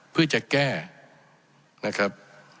เพื่อจะแก้นะครับ